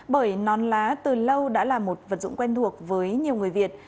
bởi nón lá từ lâu đã là một vật dụng quen thuộc với nhiều người việt